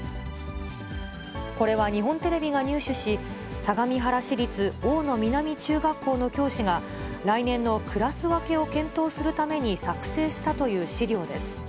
これは日本テレビが入手し、相模原市立大野南中学校の教師が、来年のクラス分けを検討するために作成したという資料です。